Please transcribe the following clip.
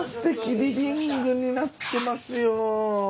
リビングになってますよ。